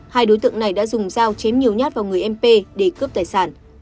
hai đối tượng này đã dùng dao chém nhiều nhát vào người m để cướp tài sản